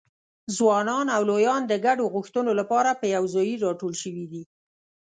ځوانان او لویان د ګډو غوښتنو لپاره په یوځایي راټول شوي دي.